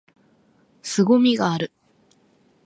凄みがある！！！！